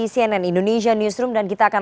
cnn indonesia newsroom dan kita akan